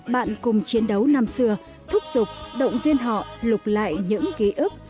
bạn cùng chiến đấu năm xưa thúc giục động viên họ lục lại những ký ức